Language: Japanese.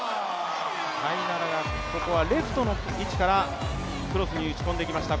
タイナラがここはレフトの位置からクロスに打ち込んできました。